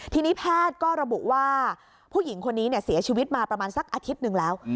ทีนี้แพทย์ก็ระบุว่าผู้หญิงคนนี้เสียชีวิตมาประมาณสักอาทิตย์หนึ่งแล้ว